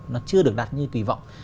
nó chưa được đặt như kỳ vọng